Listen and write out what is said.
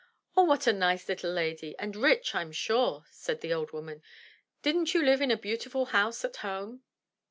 0h, what a nice little lady! — and rich, Fm sure," said the old woman. ''Didn't you live in a beautiful house at home?"